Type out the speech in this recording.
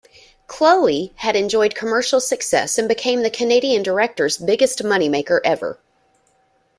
"Chloe" had enjoyed commercial success and became the Canadian director's biggest money maker ever.